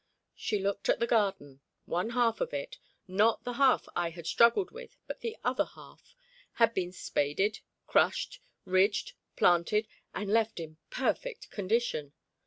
She looked at the garden. One half of it not the half I had struggled with, but the other 'half had been spaded, crushed, ridged, planted, and left in perfect condition.